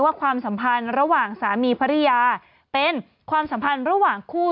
ความสัมพันธ์ระหว่างสามีภรรยาเป็นความสัมพันธ์ระหว่างคู่